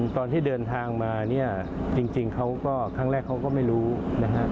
ตอนที่เดินทางมาเนี่ยจริงเขาก็ครั้งแรกเขาก็ไม่รู้นะครับ